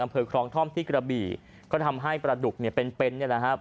อำเภอคลองท่อมที่กระบี่ก็ทำให้ปลาดุกเป็นนี้แหละครับ